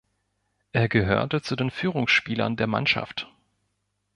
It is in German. Er gehörte zu den Führungsspielern der Mannschaft.